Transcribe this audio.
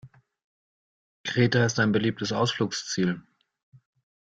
Kreta ist ein beliebtes Ausflugsziel.